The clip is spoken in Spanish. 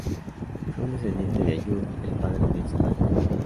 Fue un descendiente de Ayub, el padre de Saladino.